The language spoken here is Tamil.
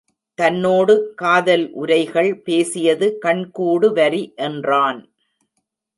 தன்னோடு காதல் உரைகள் பேசியது கண் கூடுவரி என்றான்.